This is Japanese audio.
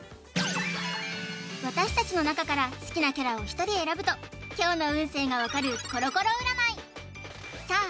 私たちの中から好きなキャラを１人選ぶと今日の運勢が分かるコロコロ占いさあ